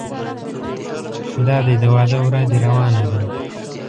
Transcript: دادی د واده ورا دې روانه ده.